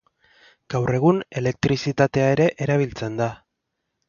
Gaur egun, elektrizitatea ere erabiltzen da.